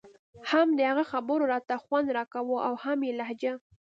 هم د هغه خبرو راته خوند راکاوه او هم يې لهجه.